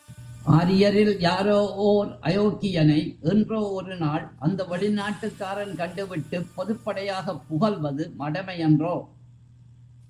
ஆரியரில் யாரோ ஓர் அயோக்கியனை, என்றோ ஒரு நாள் அந்த வெளிநாட்டுக்காரன் கண்டுவிட்டுப் பொதுப்படையாகப் புகல்வது மடமையன்றோ?